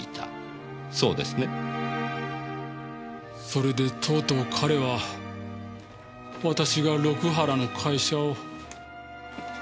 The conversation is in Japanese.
それでとうとう彼は私が六原の会社を。